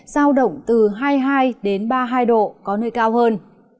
sao động từ hai mươi hai ba mươi hai độ có nơi cao hơn